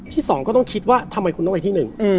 ที่๒ก็ต้องคิดว่าทำไมคุณต้องไปที่๑